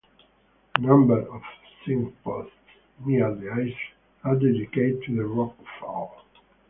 A number of signposts near the Isles are dedicated to the rockfall.